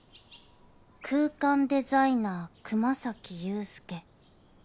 「空間デザイナー熊咲雄介」